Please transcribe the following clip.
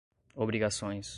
obrigações